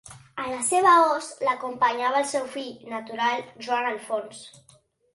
A la seva host l'acompanyava el seu fill natural Joan Alfons.